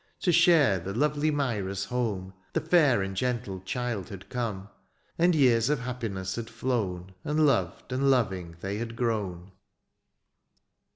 To share the lovely Myra's home. The fair and gentle child had come; And years of happiness had flown. And loved and loving they had grown.